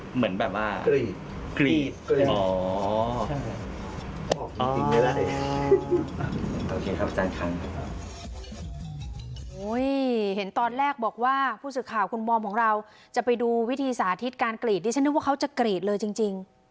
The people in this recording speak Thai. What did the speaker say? โอ้โหเห็นตอนแรกบอกว่าผู้สื่อข่าวคุณมอมของเราจะไปดูวิธีสาธิตการกรีดดิฉันนึกว่าเขาจะกรีดเลยจริง